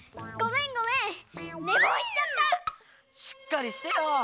しっかりしてよ！